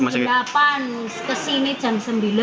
jam delapan kesini jam sembilan